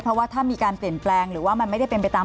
เพราะว่าถ้ามีการเปลี่ยนแปลงหรือว่ามันไม่ได้เป็นไปตาม